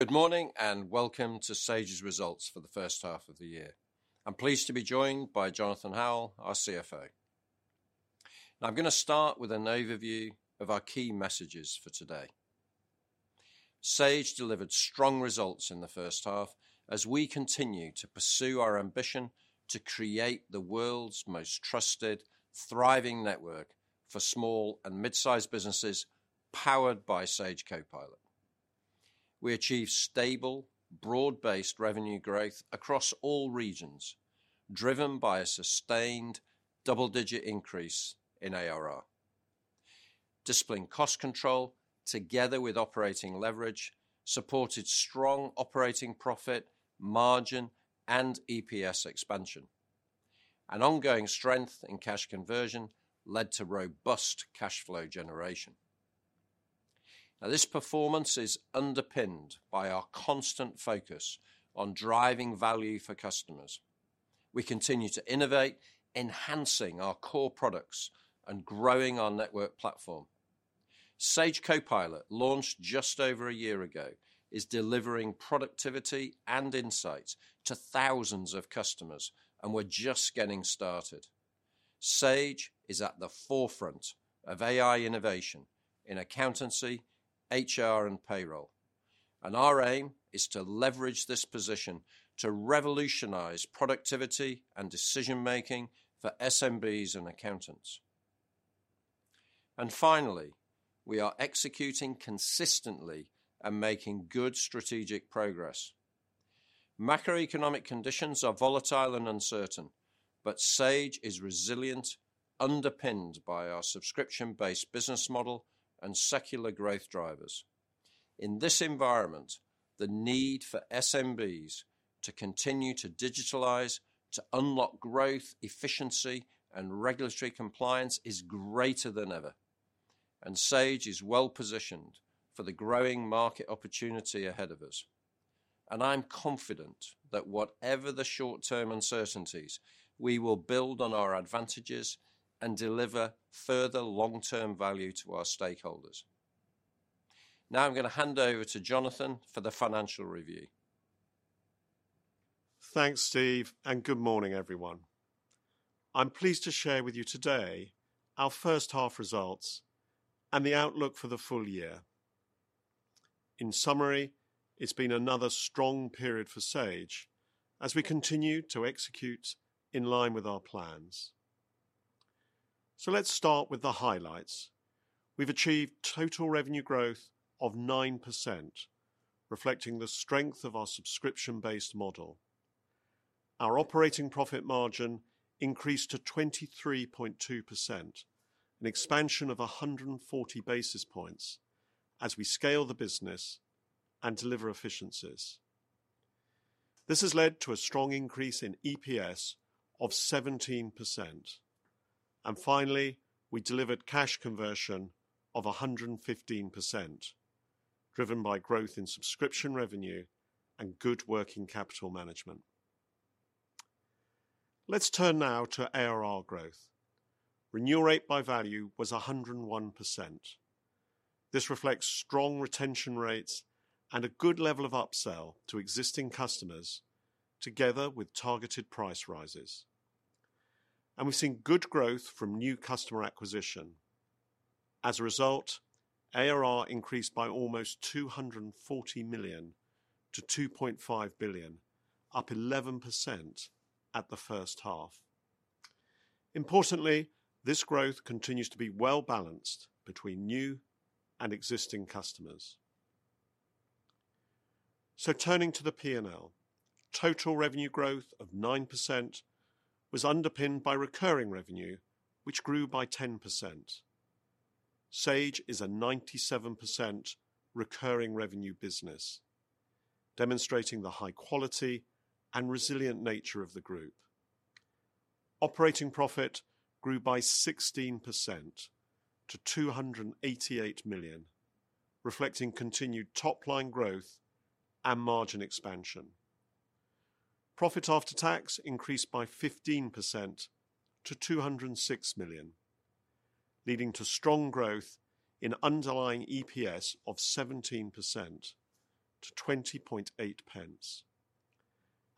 Good morning and welcome to Sage's results for the first half of the year. I'm pleased to be joined by Jonathan Howell, our CFO. I'm going to start with an overview of our key messages for today. Sage delivered strong results in the first half as we continue to pursue our ambition to create the world's most trusted, thriving network for small and mid-sized businesses powered by Sage Copilot. We achieved stable, broad-based revenue growth across all regions, driven by a sustained double-digit increase in ARR. Disciplined cost control, together with operating leverage, supported strong operating profit, margin, and EPS expansion. Ongoing strength in cash conversion led to robust cash flow generation. Now, this performance is underpinned by our constant focus on driving value for customers. We continue to innovate, enhancing our core products and growing our network platform. Sage Copilot, launched just over a year ago, is delivering productivity and insights to thousands of customers, and we are just getting started. Sage is at the forefront of AI innovation in accountancy, HR, and payroll. Our aim is to leverage this position to revolutionize productivity and decision-making for SMBs and accountants. And finally, we are executing consistently and making good strategic progress. Macroeconomic conditions are volatile and uncertain, but Sage is resilient, underpinned by our subscription-based business model and secular growth drivers. In this environment, the need for SMBs to continue to digitalize, to unlock growth, efficiency, and regulatory compliance is greater than ever. Sage is well-positioned for the growing market opportunity ahead of us. I am confident that whatever the short-term uncertainties, we will build on our advantages and deliver further long-term value to our stakeholders. Now, I'm going to hand over to Jonathan for the financial review. Thanks, Steve, and good morning, everyone. I'm pleased to share with you today our first half results and the outlook for the full year. In summary, it's been another strong period for Sage as we continue to execute in line with our plans. Let's start with the highlights. We've achieved total revenue growth of 9%, reflecting the strength of our subscription-based model. Our operating profit margin increased to 23.2%, an expansion of 140 basis points as we scale the business and deliver efficiencies. This has led to a strong increase in EPS of 17%. Finally, we delivered cash conversion of 115%, driven by growth in subscription revenue and good working capital management. Let's turn now to ARR growth. Renewal rate by value was 101%. This reflects strong retention rates and a good level of upsell to existing customers, together with targeted price rises. We have seen good growth from new customer acquisition. As a result, ARR increased by almost 240 million to 2.5 billion, up 11% at the first half. Importantly, this growth continues to be well-balanced between new and existing customers. Turning to the P&L, total revenue growth of 9% was underpinned by recurring revenue, which grew by 10%. Sage is a 97% recurring revenue business, demonstrating the high quality and resilient nature of the group. Operating profit grew by 16% to 288 million, reflecting continued top-line growth and margin expansion. Profit after tax increased by 15% to 206 million, leading to strong growth in underlying EPS of 17% to 20.8 pence.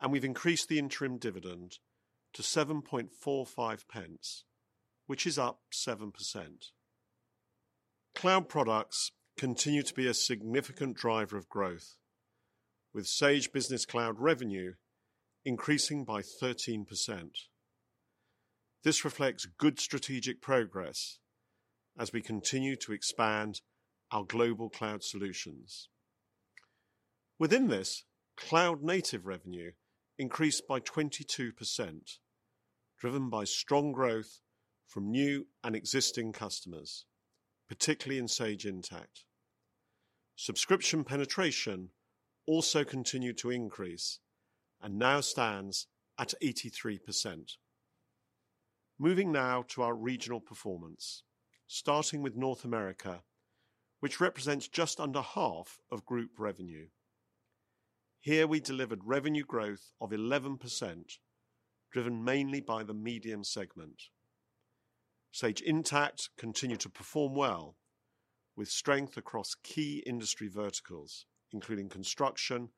We have increased the interim dividend to 7.45 pence, which is up 7%. Cloud products continue to be a significant driver of growth, with Sage Business Cloud revenue increasing by 13%. This reflects good strategic progress as we continue to expand our global cloud solutions. Within this, cloud-native revenue increased by 22%, driven by strong growth from new and existing customers, particularly in Sage Intacct. Subscription penetration also continued to increase and now stands at 83%. Moving now to our regional performance, starting with North America, which represents just under half of group revenue. Here, we delivered revenue growth of 11%, driven mainly by the medium segment. Sage Intacct continued to perform well, with strength across key industry verticals, including construction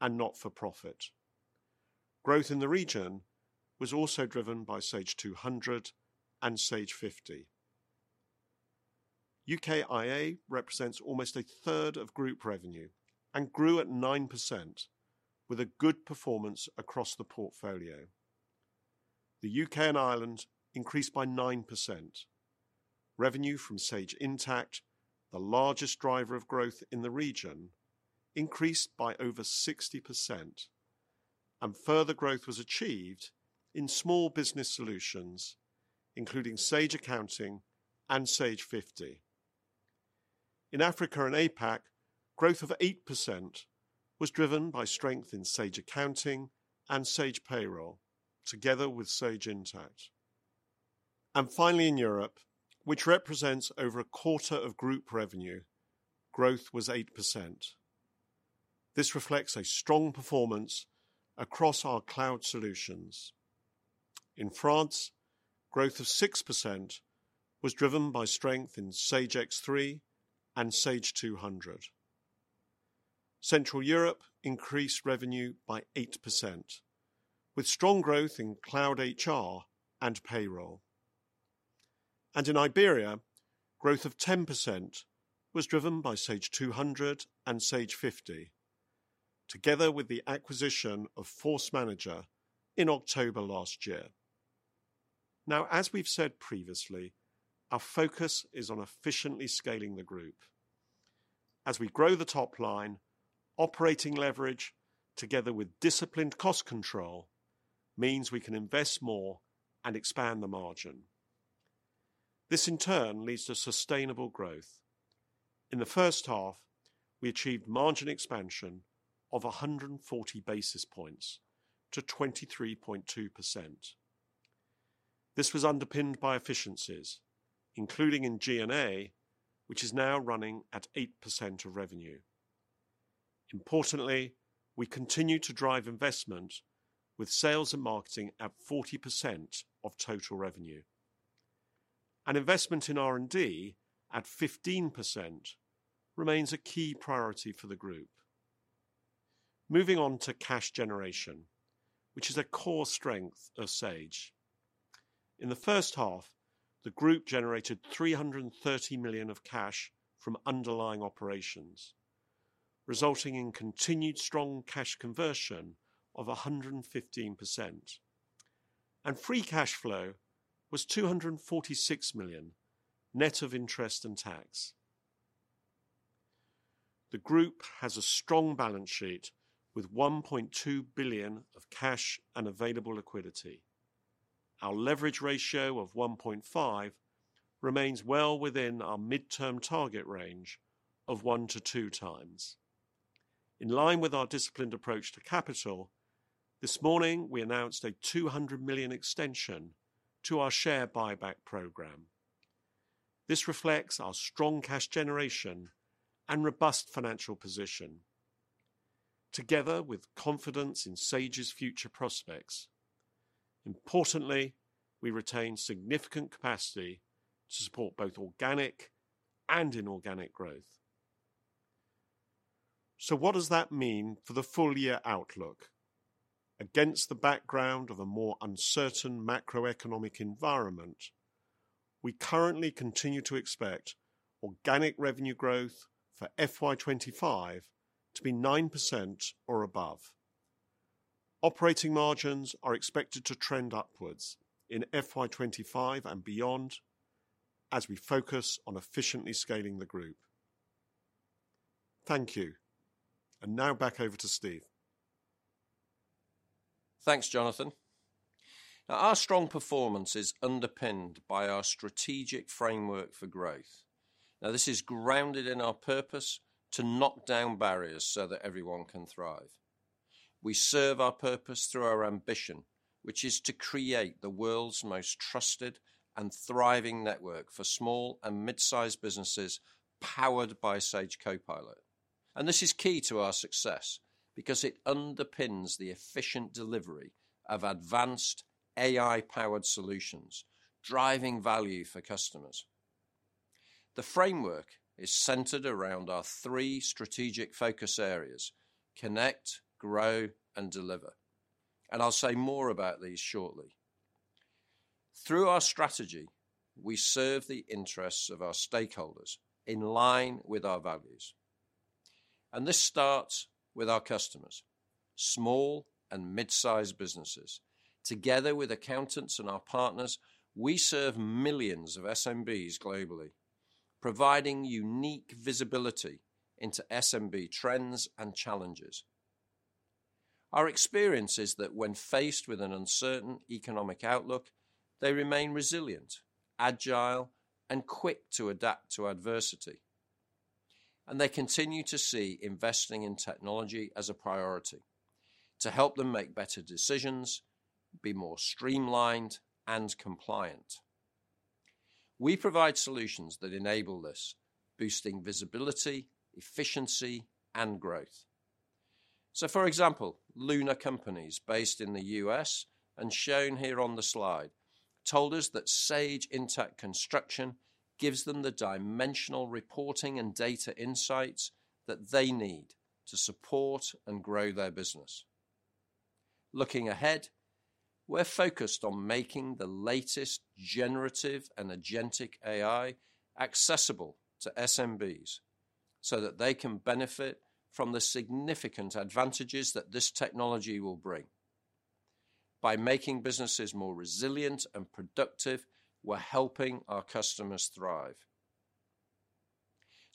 and not-for-profit. Growth in the region was also driven by Sage 200 and Sage 50. UKIA represents almost a third of group revenue and grew at 9%, with a good performance across the portfolio. The U.K. and Ireland increased by 9%. Revenue from Sage Intacct, the largest driver of growth in the region, increased by over 60%. Further growth was achieved in small business solutions, including Sage Accounting and Sage 50. In Africa and APAC, growth of 8% was driven by strength in Sage Accounting and Sage Payroll, together with Sage Intacct. Finally, in Europe, which represents over a quarter of group revenue, growth was 8%. This reflects a strong performance across our cloud solutions. In France, growth of 6% was driven by strength in Sage X3 and Sage 200. Central Europe increased revenue by 8%, with strong growth in cloud HR and payroll. In Iberia, growth of 10% was driven by Sage 200 and Sage 50, together with the acquisition of Force Manager in October last year. As we have said previously, our focus is on efficiently scaling the group. As we grow the top line, operating leverage, together with disciplined cost control, means we can invest more and expand the margin. This, in turn, leads to sustainable growth. In the first half, we achieved margin expansion of 140 basis points to 23.2%. This was underpinned by efficiencies, including in G&A, which is now running at 8% of revenue. Importantly, we continue to drive investment, with sales and marketing at 40% of total revenue. Investment in R&D at 15% remains a key priority for the group. Moving on to cash generation, which is a core strength of Sage. In the first half, the group generated 330 million of cash from underlying operations, resulting in continued strong cash conversion of 115%. Free cash flow was 246 million, net of interest and tax. The group has a strong balance sheet with 1.2 billion of cash and available liquidity. Our leverage ratio of 1.5 remains well within our midterm target range of one to two times. In line with our disciplined approach to capital, this morning, we announced a 200 million extension to our share buyback program. This reflects our strong cash generation and robust financial position, together with confidence in Sage's future prospects. Importantly, we retain significant capacity to support both organic and inorganic growth. What does that mean for the full-year outlook? Against the background of a more uncertain macroeconomic environment, we currently continue to expect organic revenue growth for FY2025 to be 9% or above. Operating margins are expected to trend upwards in FY2025 and beyond as we focus on efficiently scaling the group. Thank you. Now, back over to Steve. Thanks, Jonathan. Our strong performance is underpinned by our strategic framework for growth. This is grounded in our purpose to knock down barriers so that everyone can thrive. We serve our purpose through our ambition, which is to create the world's most trusted and thriving network for small and mid-sized businesses powered by Sage Copilot. This is key to our success because it underpins the efficient delivery of advanced AI-powered solutions, driving value for customers. The framework is centered around our three strategic focus areas: connect, grow, and deliver. I will say more about these shortly. Through our strategy, we serve the interests of our stakeholders in line with our values. This starts with our customers, small and mid-sized businesses. Together with accountants and our partners, we serve millions of SMBs globally, providing unique visibility into SMB trends and challenges. Our experience is that when faced with an uncertain economic outlook, they remain resilient, agile, and quick to adapt to adversity. They continue to see investing in technology as a priority to help them make better decisions, be more streamlined, and compliant. We provide solutions that enable this, boosting visibility, efficiency, and growth. For example, Luna Companies, based in the US and shown here on the slide, told us that Sage Intacct Construction gives them the dimensional reporting and data insights that they need to support and grow their business. Looking ahead, we're focused on making the latest generative and agentic AI accessible to SMBs so that they can benefit from the significant advantages that this technology will bring. By making businesses more resilient and productive, we're helping our customers thrive.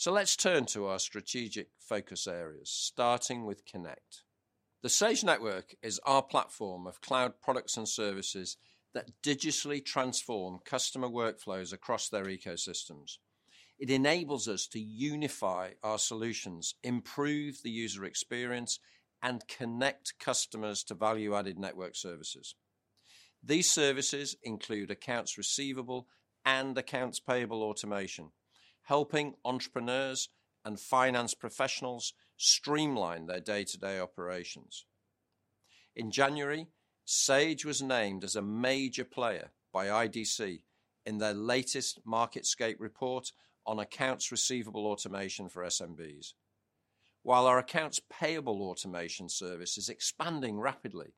Let's turn to our strategic focus areas, starting with connect. The Sage Network is our platform of cloud products and services that digitally transform customer workflows across their ecosystems. It enables us to unify our solutions, improve the user experience, and connect customers to value-added network services. These services include accounts receivable and accounts payable automation, helping entrepreneurs and finance professionals streamline their day-to-day operations. In January, Sage was named as a major player by IDC in their latest MarketScape report on accounts receivable automation for SMBs. While our accounts payable automation service is expanding rapidly,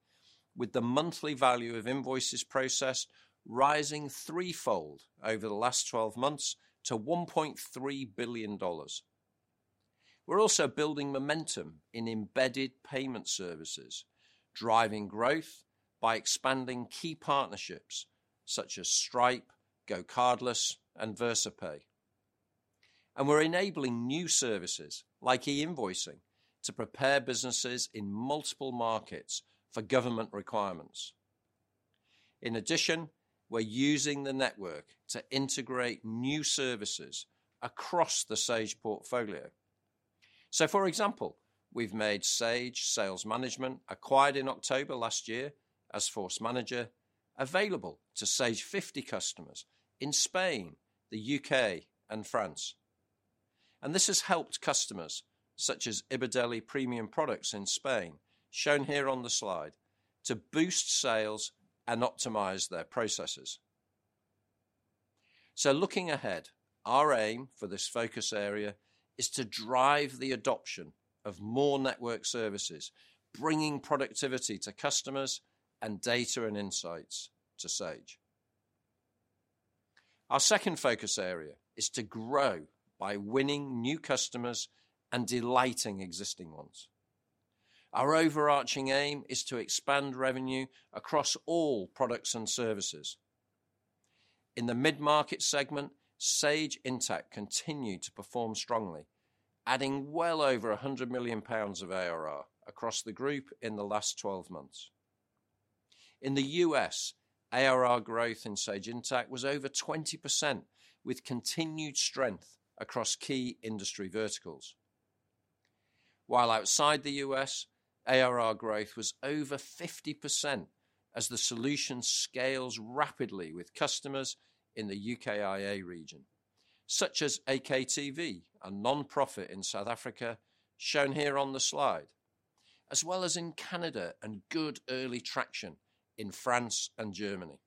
with the monthly value of invoices processed rising threefold over the last 12 months to $1.3 billion. We are also building momentum in embedded payment services, driving growth by expanding key partnerships such as Stripe, GoCardless, and VersaPay. We are enabling new services like e-invoicing to prepare businesses in multiple markets for government requirements. In addition, we're using the network to integrate new services across the Sage portfolio. For example, we've made Sage Sales Management, acquired in October last year as Force Manager, available to Sage 50 customers in Spain, the U.K., and France. This has helped customers such as Ibadeli Premium Products in Spain, shown here on the slide, to boost sales and optimize their processes. Looking ahead, our aim for this focus area is to drive the adoption of more network services, bringing productivity to customers and data and insights to Sage. Our second focus area is to grow by winning new customers and delighting existing ones. Our overarching aim is to expand revenue across all products and services. In the mid-market segment, Sage Intacct continued to perform strongly, adding well over 100 million pounds of ARR across the group in the last 12 months. In the U.S., ARR growth in Sage Intacct was over 20%, with continued strength across key industry verticals. While outside the U.S., ARR growth was over 50% as the solution scales rapidly with customers in the UK and Ireland region, such as AKTV, a nonprofit in South Africa, shown here on the slide, as well as in Canada and good early traction in France and Germany.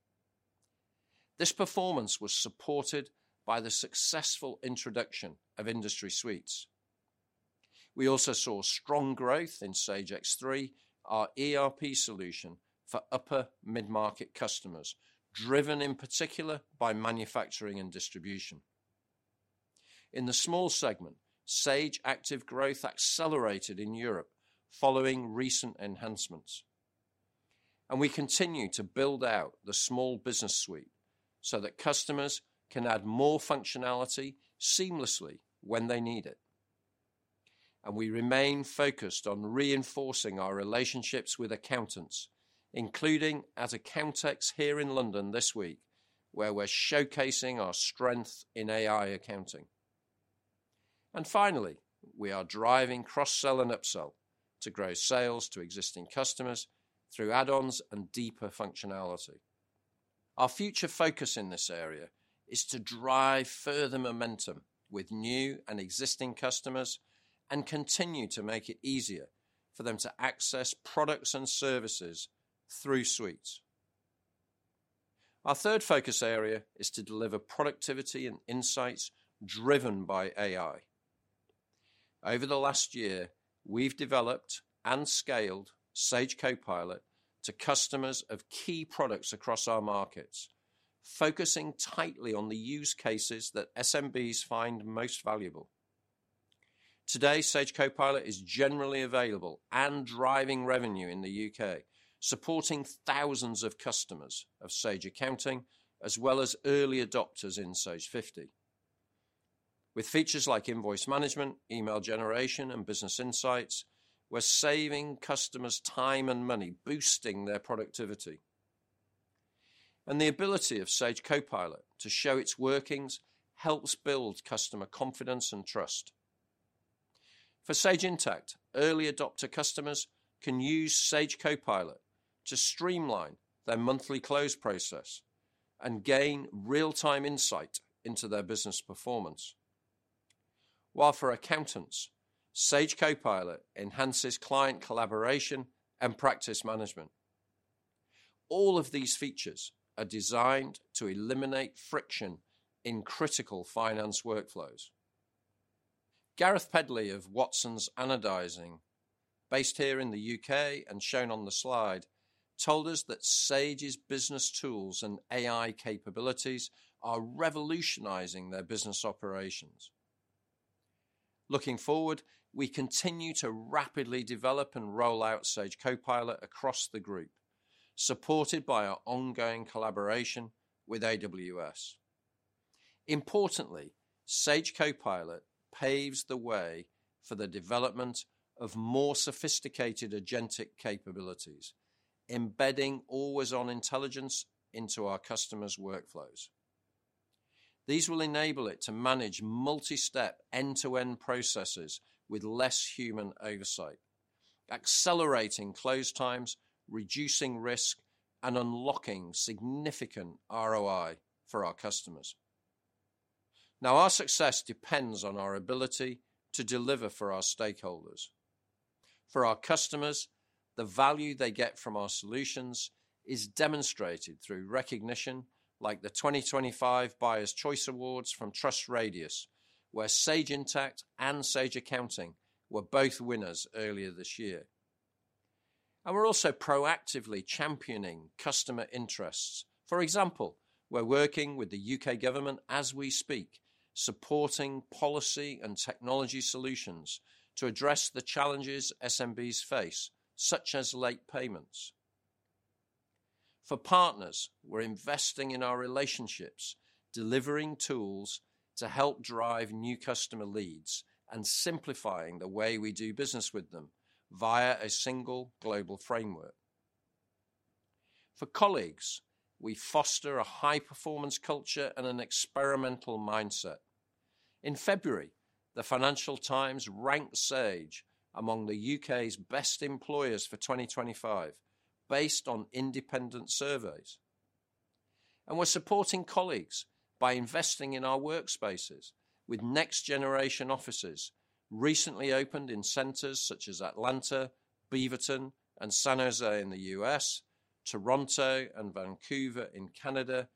This performance was supported by the successful introduction of industry suites. We also saw strong growth in Sage X3, our ERP solution for upper mid-market customers, driven in particular by manufacturing and distribution. In the small segment, Sage Active growth accelerated in Europe following recent enhancements. We continue to build out the small business suite so that customers can add more functionality seamlessly when they need it. We remain focused on reinforcing our relationships with accountants, including at Accountex here in London this week, where we're showcasing our strength in AI accounting. Finally, we are driving cross-sell and upsell to grow sales to existing customers through add-ons and deeper functionality. Our future focus in this area is to drive further momentum with new and existing customers and continue to make it easier for them to access products and services through suites. Our third focus area is to deliver productivity and insights driven by AI. Over the last year, we've developed and scaled Sage Copilot to customers of key products across our markets, focusing tightly on the use cases that SMBs find most valuable. Today, Sage Copilot is generally available and driving revenue in the U.K., supporting thousands of customers of Sage Accounting, as well as early adopters in Sage 50. With features like invoice management, email generation, and business insights, we're saving customers time and money, boosting their productivity. The ability of Sage Copilot to show its workings helps build customer confidence and trust. For Sage Intacct, early adopter customers can use Sage Copilot to streamline their monthly close process and gain real-time insight into their business performance. While for accountants, Sage Copilot enhances client collaboration and practice management. All of these features are designed to eliminate friction in critical finance workflows. Gareth Pedley of Watsons Anodizing, based here in the U.K. and shown on the slide, told us that Sage's business tools and AI capabilities are revolutionizing their business operations. Looking forward, we continue to rapidly develop and roll out Sage Copilot across the group, supported by our ongoing collaboration with AWS. Importantly, Sage Copilot paves the way for the development of more sophisticated agentic capabilities, embedding always-on intelligence into our customers' workflows. These will enable it to manage multi-step end-to-end processes with less human oversight, accelerating close times, reducing risk, and unlocking significant ROI for our customers. Now, our success depends on our ability to deliver for our stakeholders. For our customers, the value they get from our solutions is demonstrated through recognition, like the 2025 Buyers' Choice Awards from TrustRadius, where Sage Intacct and Sage Accounting were both winners earlier this year. We are also proactively championing customer interests. For example, we are working with the U.K. government as we speak, supporting policy and technology solutions to address the challenges SMBs face, such as late payments. For partners, we're investing in our relationships, delivering tools to help drive new customer leads, and simplifying the way we do business with them via a single global framework. For colleagues, we foster a high-performance culture and an experimental mindset. In February, the Financial Times ranked Sage among the U.K.'s best employers for 2025, based on independent surveys. We're supporting colleagues by investing in our workspaces with next-generation offices recently opened in centers such as Atlanta, Beaverton, and San Jose in the US, Toronto and Vancouver in Canada,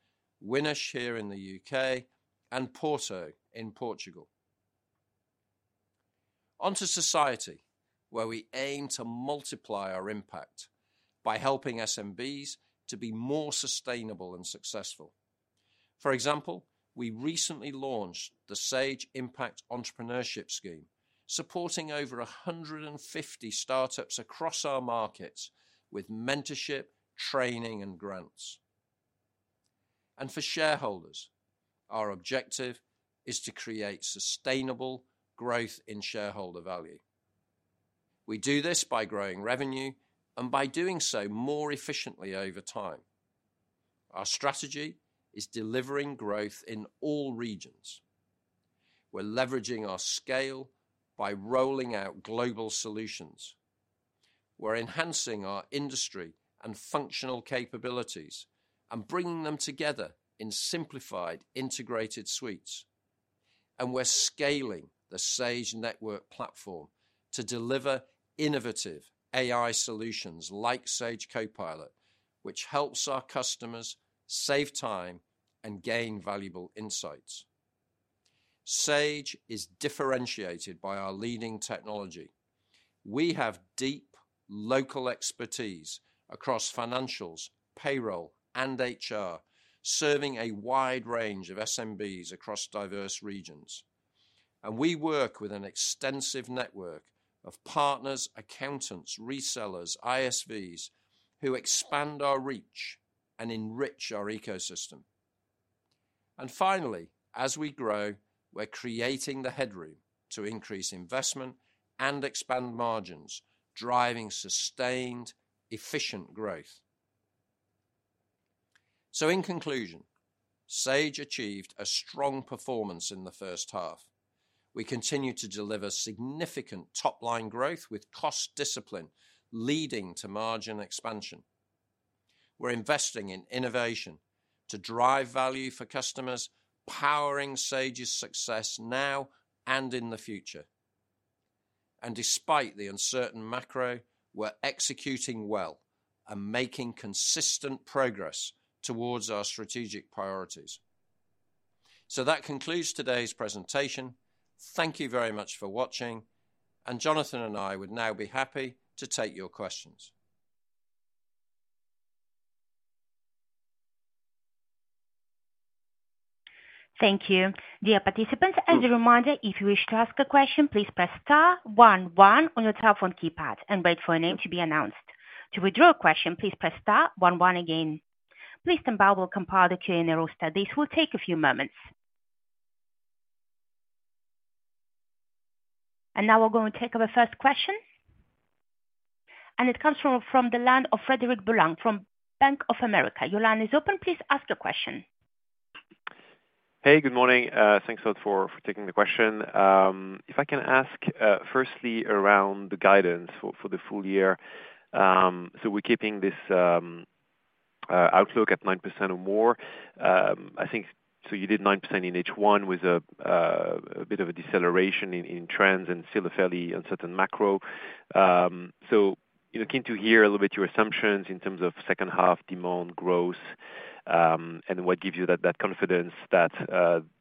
Winnersh here in the U.K, and Porto in Portugal. Onto society, where we aim to multiply our impact by helping SMBs to be more sustainable and successful. For example, we recently launched the Sage Impact Entrepreneurship Scheme, supporting over 150 startups across our markets with mentorship, training, and grants. For shareholders, our objective is to create sustainable growth in shareholder value. We do this by growing revenue and by doing so more efficiently over time. Our strategy is delivering growth in all regions. We are leveraging our scale by rolling out global solutions. We are enhancing our industry and functional capabilities and bringing them together in simplified integrated suites. We are scaling the Sage Network platform to deliver innovative AI solutions like Sage Copilot, which helps our customers save time and gain valuable insights. Sage is differentiated by our leading technology. We have deep local expertise across financials, payroll, and HR, serving a wide range of SMBs across diverse regions. We work with an extensive network of partners, accountants, resellers, ISVs who expand our reach and enrich our ecosystem. Finally, as we grow, we are creating the headroom to increase investment and expand margins, driving sustained, efficient growth. In conclusion, Sage achieved a strong performance in the first half. We continue to deliver significant top-line growth with cost discipline leading to margin expansion. We are investing in innovation to drive value for customers, powering Sage's success now and in the future. Despite the uncertain macro, we are executing well and making consistent progress towards our strategic priorities. That concludes today's presentation. Thank you very much for watching. Jonathan and I would now be happy to take your questions. Thank you. Dear participants, as a reminder, if you wish to ask a question, please press star 11 on your telephone keypad and wait for a name to be announced. To withdraw a question, please press star 11 again. Please stand by, we will compile the Q&A roster. This will take a few moments. Now we are going to take our first question. It comes from Frederic Boulan from Bank of America. Your line is open. Please ask your question. Hey, good morning. Thanks a lot for taking the question. If I can ask, firstly, around the guidance for the full year. We're keeping this outlook at 9% or more. I think you did 9% in each one with a bit of a deceleration in trends and still a fairly uncertain macro. Keen to hear a little bit your assumptions in terms of second-half demand growth and what gives you that confidence that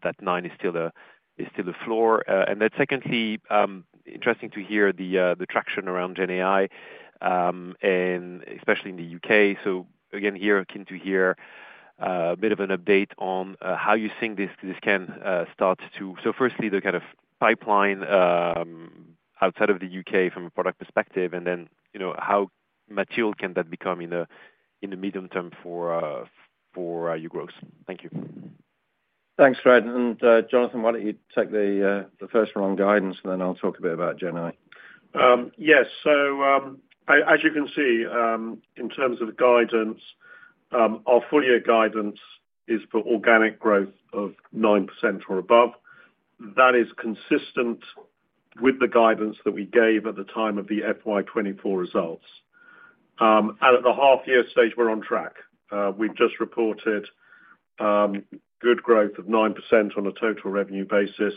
that 9% is still the floor. Secondly, interesting to hear the traction around GenAI, and especially in the U.K. Again, here, keen to hear a bit of an update on how you think this can start to, firstly, the kind of pipeline outside of the U.K. from a product perspective, and then how mature can that become in the medium term for your growth? Thank you. Thanks, Fred. Jonathan, why don't you take the first round guidance, and then I'll talk a bit about GenAI. Yes. As you can see, in terms of guidance, our full-year guidance is for organic growth of 9% or above. That is consistent with the guidance that we gave at the time of the FY2024 results. At the half-year stage, we're on track. We've just reported good growth of 9% on a total revenue basis.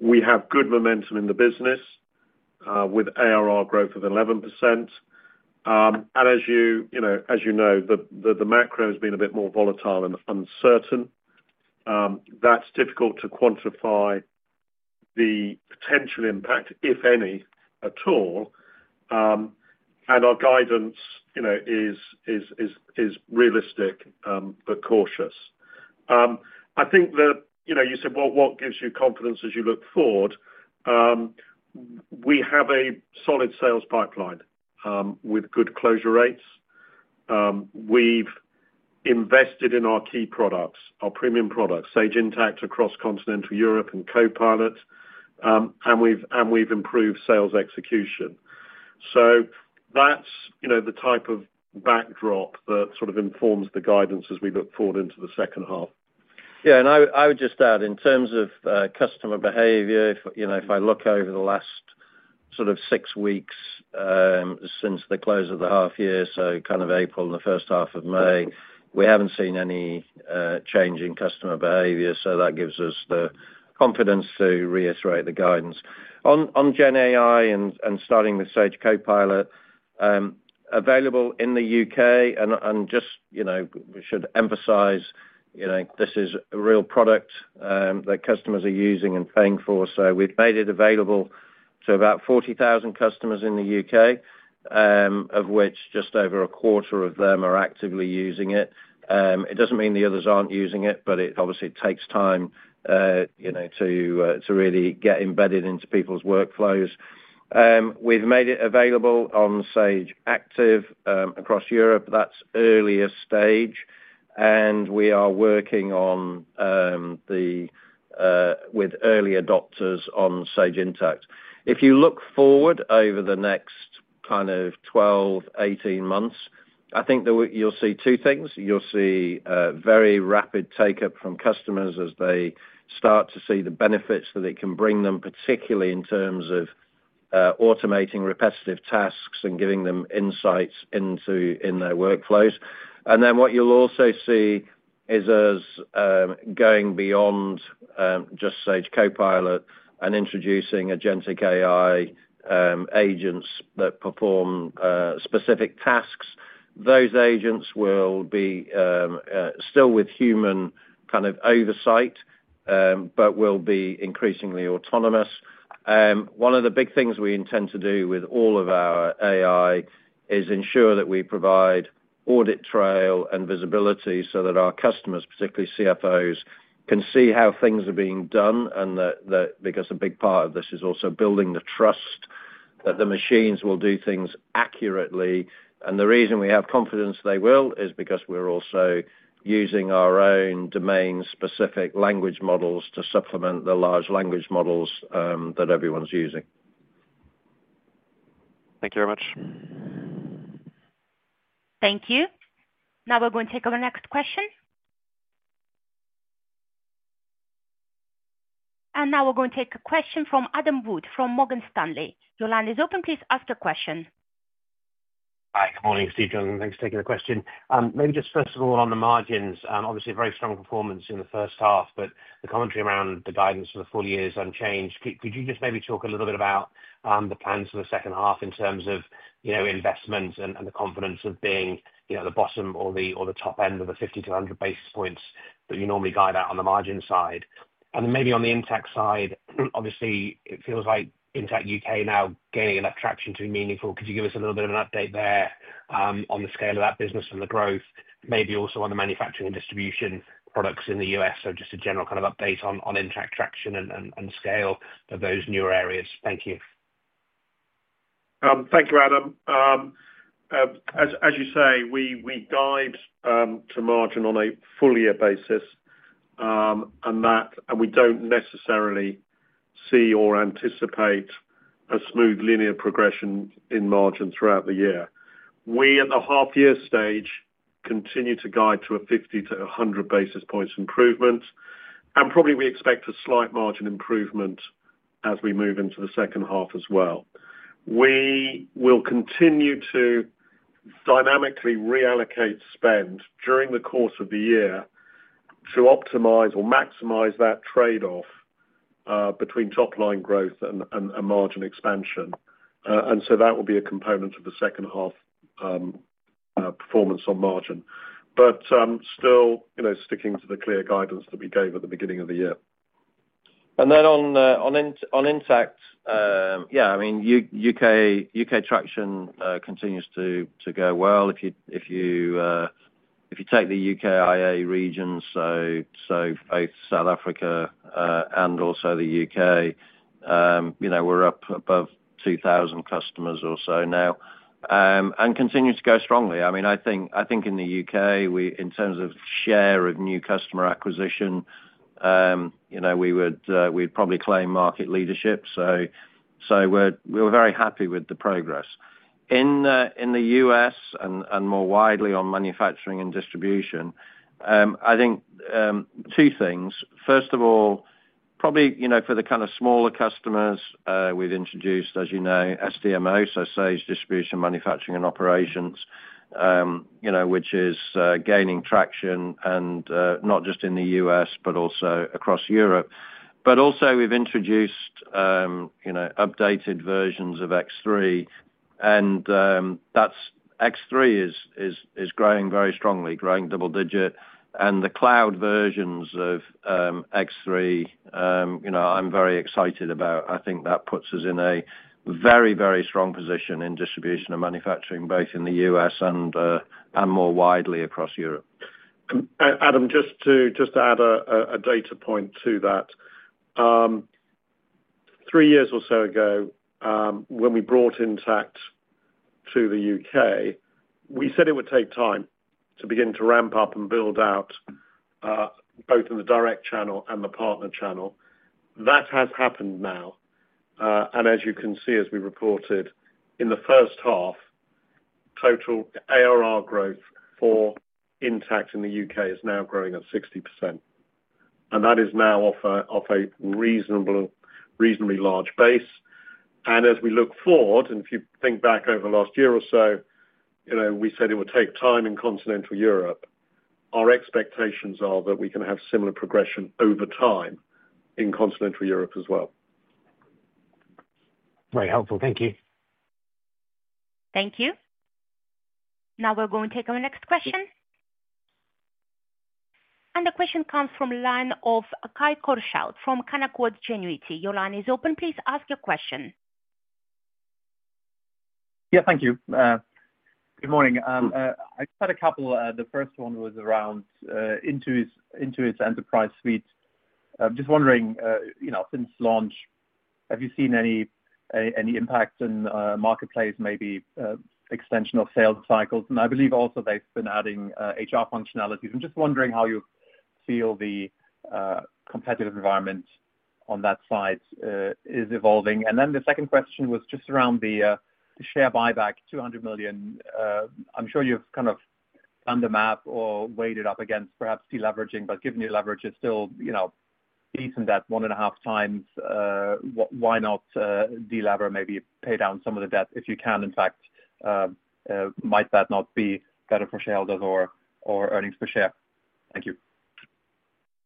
We have good momentum in the business with ARR growth of 11%. As you know, the macro has been a bit more volatile and uncertain. That's difficult to quantify the potential impact, if any, at all. Our guidance is realistic but cautious. I think that you said, "What gives you confidence as you look forward?" We have a solid sales pipeline with good closure rates. We've invested in our key products, our premium products, Sage Intacct across continental Europe and Copilot, and we've improved sales execution. That's the type of backdrop that sort of informs the guidance as we look forward into the second half. Yeah. I would just add, in terms of customer behavior, if I look over the last sort of six weeks since the close of the half-year, so kind of April and the first half of May, we have not seen any change in customer behavior. That gives us the confidence to reiterate the guidance. On GenAI and starting with Sage Copilot, available in the U.K., and just we should emphasize this is a real product that customers are using and paying for. We have made it available to about 40,000 customers in the U.K., of which just over a quarter of them are actively using it. It does not mean the others are not using it, but it obviously takes time to really get embedded into people's workflows. We have made it available on Sage Active across Europe. That is earliest stage. We are working with early adopters on Sage Intacct. If you look forward over the next kind of 12, 18 months, I think you'll see two things. You'll see very rapid take-up from customers as they start to see the benefits that it can bring them, particularly in terms of automating repetitive tasks and giving them insights into their workflows. What you'll also see is us going beyond just Sage Copilot and introducing agentic AI agents that perform specific tasks. Those agents will be still with human kind of oversight, but will be increasingly autonomous. One of the big things we intend to do with all of our AI is ensure that we provide audit trail and visibility so that our customers, particularly CFOs, can see how things are being done, because a big part of this is also building the trust that the machines will do things accurately. The reason we have confidence they will is because we're also using our own domain-specific language models to supplement the large language models that everyone's using. Thank you very much. Thank you. Now we're going to take our next question. Now we're going to take a question from Adam Wood from Morgan Stanley. Your line is open. Please ask your question. Hi. Good morning, Steve. Jonathan, thanks for taking the question. Maybe just first of all, on the margins, obviously, very strong performance in the first half, but the commentary around the guidance for the full year is unchanged. Could you just maybe talk a little bit about the plans for the second half in terms of investment and the confidence of being the bottom or the top end of the 50-100 basis points that you normally guide out on the margin side? Then maybe on the Intacct side, obviously, it feels like Intacct U.K. now gaining enough traction to be meaningful. Could you give us a little bit of an update there on the scale of that business and the growth, maybe also on the manufacturing and distribution products in the U.S.?Just a general kind of update on Intacct traction and scale of those newer areas. Thank you. Thank you, Adam. As you say, we guide to margin on a full-year basis, and we do not necessarily see or anticipate a smooth linear progression in margin throughout the year. We, at the half-year stage, continue to guide to a 50-100 basis points improvement. Probably we expect a slight margin improvement as we move into the second half as well. We will continue to dynamically reallocate spend during the course of the year to optimize or maximize that trade-off between top-line growth and margin expansion. That will be a component of the second half performance on margin. Still sticking to the clear guidance that we gave at the beginning of the year. On Intacct, yeah, I mean, U.K. traction continues to go well. If you take the UKIA region, so both South Africa and also the U.K., we're up above 2,000 customers or so now and continue to go strongly. I mean, I think in the U.K., in terms of share of new customer acquisition, we would probably claim market leadership. We're very happy with the progress. In the U.S. and more widely on manufacturing and distribution, I think two things. First of all, probably for the kind of smaller customers, we've introduced, as you know, SDMO, so Sage Distribution, Manufacturing, and Operations, which is gaining traction, not just in the U.S., but also across Europe. We've also introduced updated versions of X3. X3 is growing very strongly, growing double-digit. The cloud versions of X3, I'm very excited about. I think that puts us in a very, very strong position in distribution and manufacturing, both in the U.S. and more widely across Europe. Adam, just to add a data point to that, three years or so ago, when we brought Intacct to the U.K., we said it would take time to begin to ramp up and build out both in the direct channel and the partner channel. That has happened now. As you can see, as we reported, in the first half, total ARR growth for Intacct in the U.K. is now growing at 60%. That is now off a reasonably large base. As we look forward, and if you think back over the last year or so, we said it would take time in continental Europe. Our expectations are that we can have similar progression over time in continental Europe as well. Very helpful. Thank you. Thank you. Now we're going to take our next question. The question comes from the line of Kai Korschelt from Canaccord Genuity. Your line is open. Please ask your question. Yeah, thank you. Good morning. I just had a couple. The first one was around Intuit's enterprise suite. Just wondering, since launch, have you seen any impact in marketplace, maybe extension of sales cycles? I believe also they've been adding HR functionalities. I'm just wondering how you feel the competitive environment on that side is evolving. The second question was just around the share buyback, $200 million. I'm sure you've kind of planned a map or weighed it up against perhaps deleveraging, but given your leverage, it's still decent debt, one and a half times. Why not delever? Maybe pay down some of the debt if you can. In fact, might that not be better for shareholders or earnings per share? Thank you.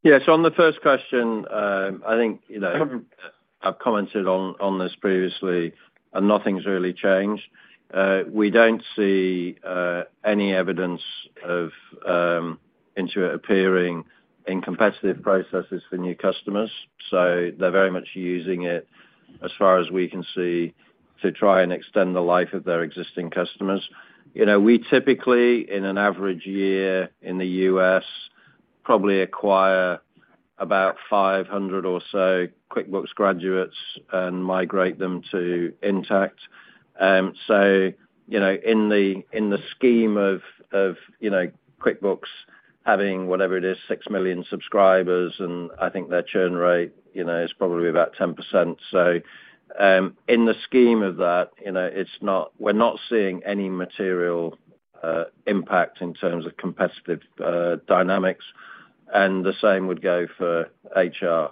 Yeah. On the first question, I think I've commented on this previously, and nothing's really changed. We don't see any evidence of Intuit appearing in competitive processes for new customers. They're very much using it, as far as we can see, to try and extend the life of their existing customers. We typically, in an average year in the US, probably acquire about 500 or so QuickBooks graduates and migrate them to Intacct. In the scheme of QuickBooks having, whatever it is, 6 million subscribers, and I think their churn rate is probably about 10%. In the scheme of that, we're not seeing any material impact in terms of competitive dynamics. The same would go for HR.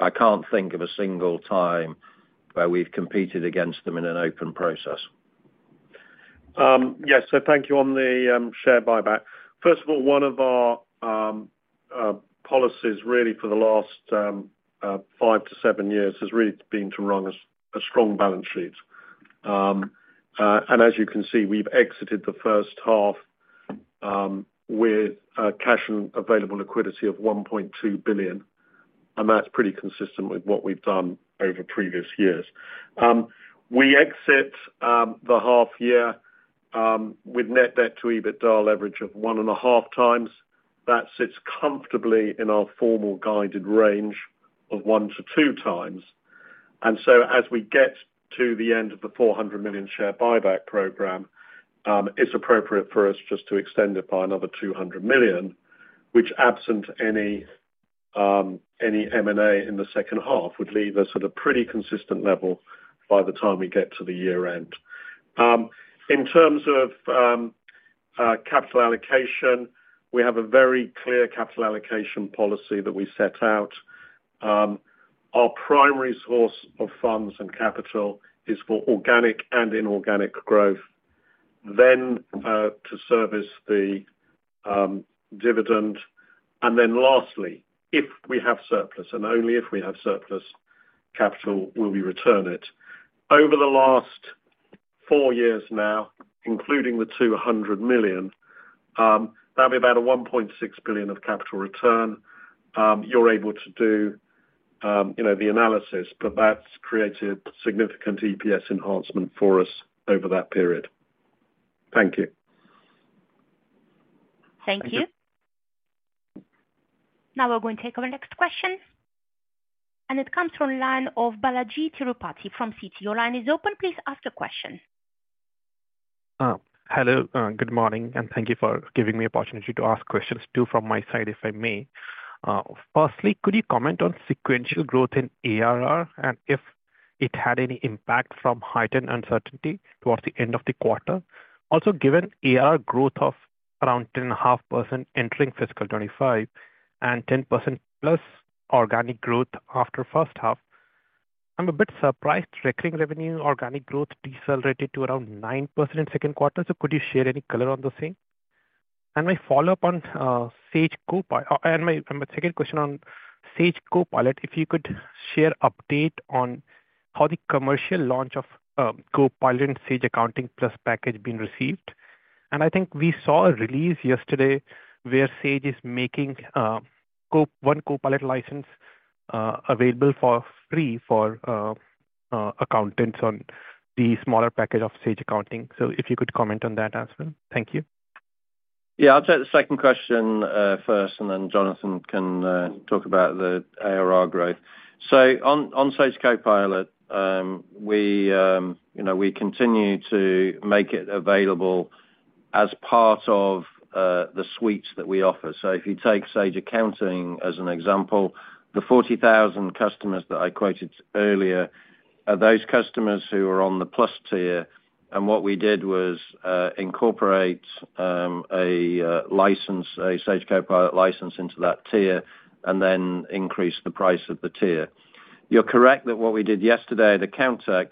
I can't think of a single time where we've competed against them in an open process. Yes. Thank you on the share buyback. First of all, one of our policies really for the last five to seven years has really been to run a strong balance sheet. As you can see, we have exited the first half with cash and available liquidity of 1.2 billion. That is pretty consistent with what we have done over previous years. We exit the half-year with net debt to EBITDA leverage of one and a half times. That sits comfortably in our formal guided range of one to two times. As we get to the end of the 400 million share buyback program, it is appropriate for us just to extend it by another 200 million, which, absent any M&A in the second half, would leave us at a pretty consistent level by the time we get to the year-end. In terms of capital allocation, we have a very clear capital allocation policy that we set out. Our primary source of funds and capital is for organic and inorganic growth, then to service the dividend. Lastly, if we have surplus, and only if we have surplus capital, will we return it? Over the last four years now, including the 200 million, that'll be about 1.6 billion of capital return. You're able to do the analysis, but that's created significant EPS enhancement for us over that period. Thank you. Thank you. Now we're going to take our next question. It comes from the line of Balajee Tirupati from Citi. Your line is open. Please ask your question. Hello. Good morning. Thank you for giving me the opportunity to ask questions too from my side, if I may. Firstly, could you comment on sequential growth in ARR and if it had any impact from heightened uncertainty towards the end of the quarter? Also, given ARR growth of around 10.5% entering fiscal 2025 and 10% plus organic growth after first half, I'm a bit surprised recurring revenue organic growth decelerated to around 9% in second quarter. Could you share any color on the same? My follow-up on Sage Copilot and my second question on Sage Copilot, if you could share update on how the commercial launch of Copilot and Sage Accounting Plus package has been received. I think we saw a release yesterday where Sage is making one Copilot license available for free for accountants on the smaller package of Sage Accounting. If you could comment on that as well. Thank you. Yeah. I'll take the second question first, and then Jonathan can talk about the ARR growth. On Sage Copilot, we continue to make it available as part of the suites that we offer. If you take Sage Accounting as an example, the 40,000 customers that I quoted earlier are those customers who are on the plus tier. What we did was incorporate a license, a Sage Copilot license into that tier, and then increase the price of the tier. You're correct that what we did yesterday, the Caltex,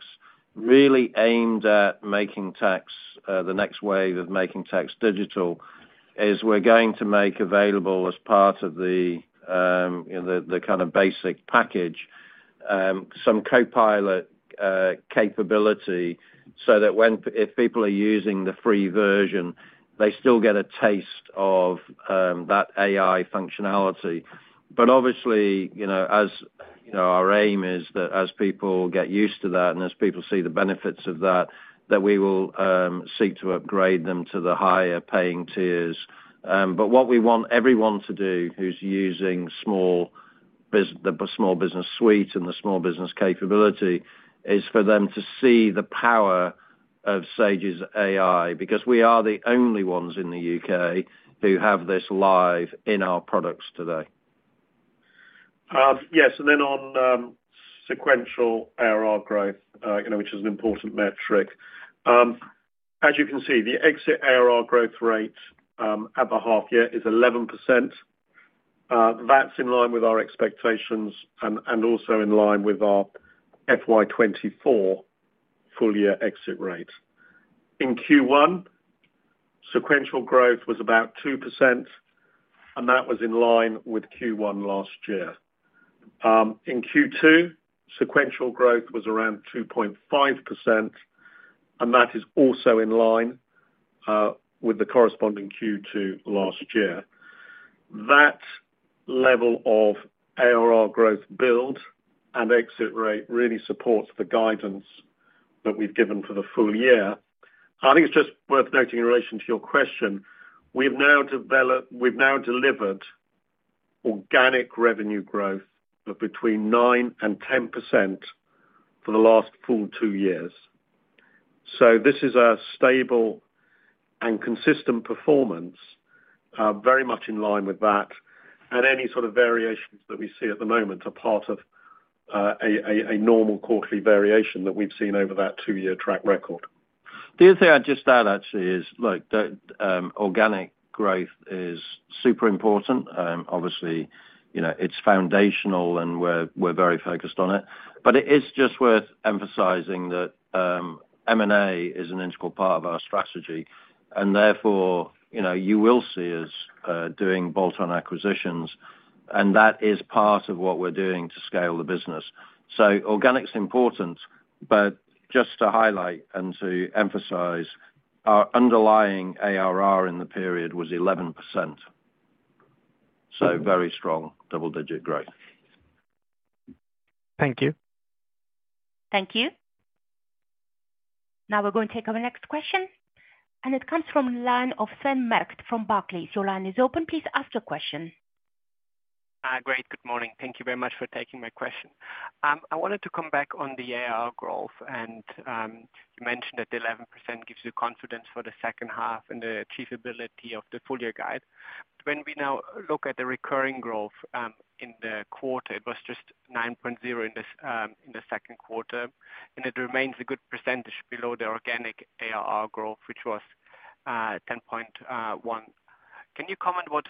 really aimed at making tax the next wave of making tax digital is we're going to make available as part of the kind of basic package some Copilot capability so that if people are using the free version, they still get a taste of that AI functionality. Obviously, our aim is that as people get used to that and as people see the benefits of that, we will seek to upgrade them to the higher paying tiers. What we want everyone to do who's using the small business suite and the small business capability is for them to see the power of Sage's AI because we are the only ones in the U.K. who have this live in our products today. Yes. On sequential ARR growth, which is an important metric, as you can see, the exit ARR growth rate at the half-year is 11%. That is in line with our expectations and also in line with our FY2024 full-year exit rate. In Q1, sequential growth was about 2%, and that was in line with Q1 last year. In Q2, sequential growth was around 2.5%, and that is also in line with the corresponding Q2 last year. That level of ARR growth build and exit rate really supports the guidance that we have given for the full year. I think it is just worth noting in relation to your question, we have now delivered organic revenue growth of between 9% and 10% for the last full two years. This is a stable and consistent performance, very much in line with that. Any sort of variations that we see at the moment are part of a normal quarterly variation that we've seen over that two-year track record. The other thing I'd just add, actually, is, look, organic growth is super important. Obviously, it's foundational, and we're very focused on it. It is just worth emphasizing that M&A is an integral part of our strategy. Therefore, you will see us doing bolt-on acquisitions. That is part of what we're doing to scale the business. Organic's important, but just to highlight and to emphasize, our underlying ARR in the period was 11%. Very strong double-digit growth. Thank you. Thank you. Now we're going to take our next question. It comes from the line of Sven Merkt from Barclays. Your line is open. Please ask your question. Hi. Great. Good morning. Thank you very much for taking my question. I wanted to come back on the ARR growth. You mentioned that the 11% gives you confidence for the second half and the achievability of the full-year guide. When we now look at the recurring growth in the quarter, it was just 9% in the second quarter. It remains a good percentage below the organic ARR growth, which was 10.1%. Can you comment on what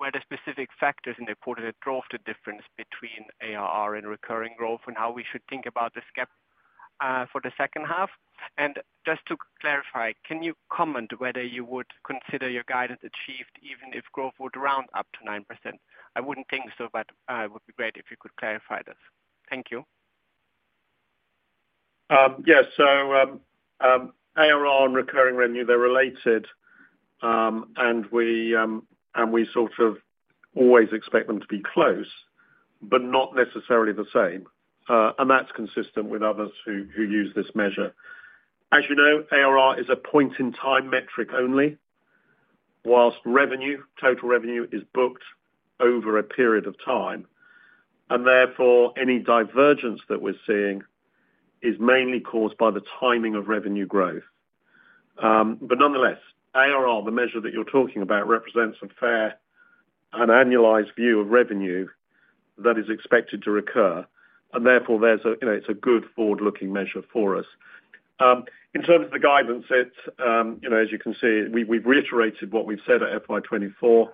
were the specific factors in the quarter that drove the difference between ARR and recurring growth and how we should think about this gap for the second half? Just to clarify, can you comment whether you would consider your guidance achieved even if growth would round up to 9%? I wouldn't think so, but it would be great if you could clarify this. Thank you. Yeah. ARR and recurring revenue, they're related, and we sort of always expect them to be close, but not necessarily the same. That's consistent with others who use this measure. As you know, ARR is a point-in-time metric only, whilst total revenue is booked over a period of time. Therefore, any divergence that we're seeing is mainly caused by the timing of revenue growth. Nonetheless, ARR, the measure that you're talking about, represents a fair and annualized view of revenue that is expected to recur. Therefore, it's a good forward-looking measure for us. In terms of the guidance, as you can see, we've reiterated what we've said at FY2024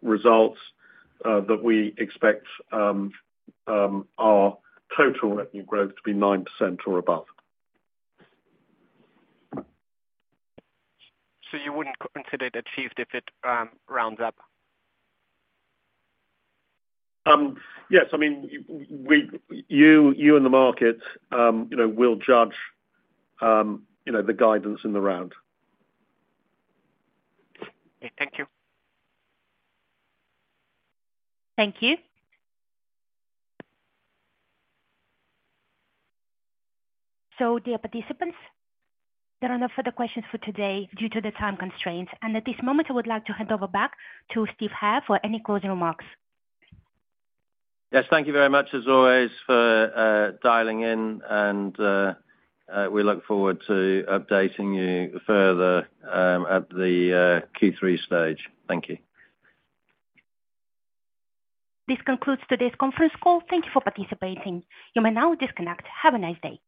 results that we expect our total revenue growth to be 9% or above. You wouldn't consider it achieved if it rounds up? Yes. I mean, you and the market will judge the guidance in the round. Okay. Thank you. Thank you. Dear participants, there are no further questions for today due to the time constraints. At this moment, I would like to hand over back to Steve Hare for any closing remarks. Yes. Thank you very much, as always, for dialing in. We look forward to updating you further at the Q3 stage. Thank you. This concludes today's conference call. Thank you for participating. You may now disconnect. Have a nice day.